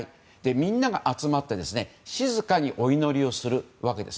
みんなが集まって静かにお祈りをするわけです。